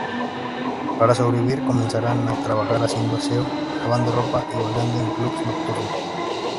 Para sobrevivir comenzarán a trabajar haciendo aseo, lavando ropa y bailando en clubes nocturnos.